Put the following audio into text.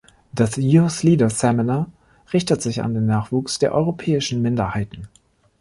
Das Youth Leader Seminar richtet sich an den Nachwuchs der europäischen Minderheiten.